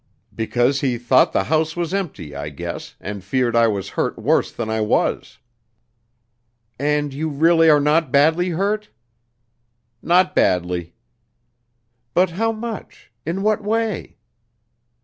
"Because he thought the house empty, I guess, and feared I was hurt worse than I was." "And you really are not badly hurt?" "Not badly." "But how much in what way?"